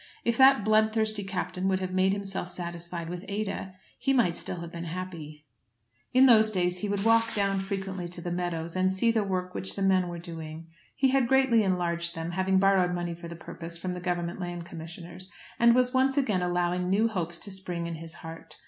If that bloodthirsty Captain would have made himself satisfied with Ada, he might still have been happy. In these days he would walk down frequently to the meadows and see the work which the men were doing. He had greatly enlarged them, having borrowed money for the purpose from the Government Land Commissioners, and was once again allowing new hopes to spring in his heart.